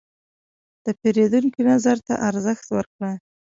د پیرودونکي نظر ته ارزښت ورکړه.